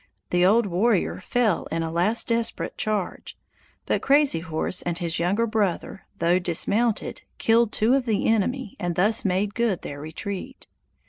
The old warrior fell in a last desperate charge; but Crazy Horse and his younger brother, though dismounted, killed two of the enemy and thus made good their retreat.